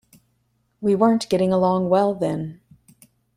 We weren't getting along well then.